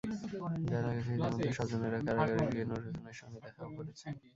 জানা গেছে, ইতিমধ্যে স্বজনেরা কারাগারে গিয়ে নূর হোসেনের সঙ্গে দেখাও করেছেন।